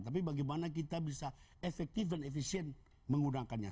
tapi bagaimana kita bisa efektif dan efisien menggunakannya